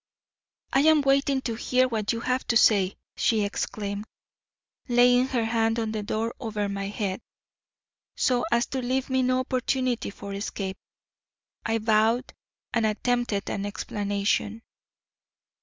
"I am waiting to hear what you have to say," she exclaimed, laying her hand on the door over my head so as to leave me no opportunity for escape. I bowed and attempted an explanation.